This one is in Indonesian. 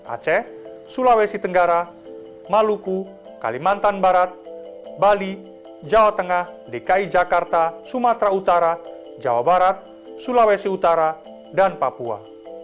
aceh sulawesi tenggara maluku kalimantan barat bali jawa tengah dki jakarta sumatera utara jawa barat sulawesi utara dan papua